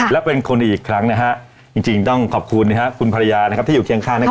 และเป็นคนดีอีกครั้งนะฮะจริงต้องขอบคุณคุณภรรยานะครับที่อยู่เคียงข้างนะครับ